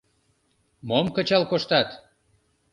— Мом кычал коштат?